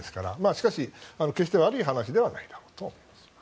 しかし、決して悪い話ではないだろうと思います。